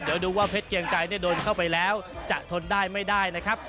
เดี๋ยวดูว่าเพชรเกียงไกรโดนเข้าไปแล้วจะทนได้ไม่ได้นะครับ